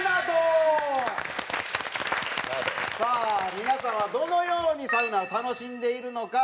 さあ皆さんはどのようにサウナを楽しんでいるのか。